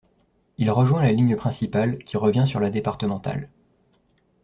Il rejoint la ligne principale qui revient sur la départementale.